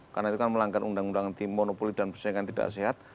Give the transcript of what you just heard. karena itu kan melanggar undang undang tim monopoli dan persaingan tidak sehat